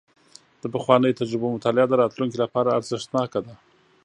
د پخوانیو تجربو مطالعه د راتلونکي لپاره ارزښتناکه ده.